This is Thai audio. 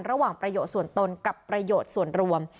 ประโยชน์ส่วนตนกับประโยชน์ส่วนรวม